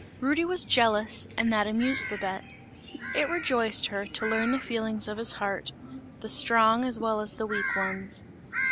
Rudy was jealous and that amused Babette; it rejoiced her, to learn the feelings of his heart, the strong as well as the weak ones.